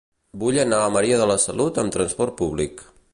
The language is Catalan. Vull anar a Maria de la Salut amb transport públic.